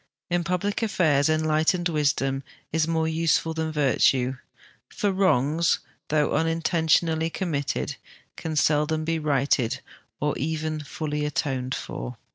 In public affairs enlight ened wisdom is more useful than virtue ; for wrongs, though unintentionally committed, can seldom be righted or even full}'' atoned for.